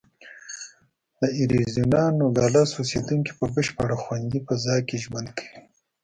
د اریزونا نوګالس اوسېدونکي په بشپړه خوندي فضا کې ژوند کوي.